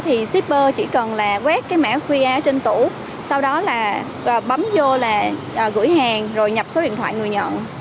thì shipper chỉ cần là quét cái mã qr trên tủ sau đó là bấm vô là gửi hàng rồi nhập số điện thoại người nhận